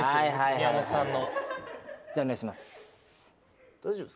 宮本さんの。